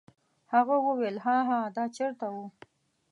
هغه وویل: هاها دا چیرته و؟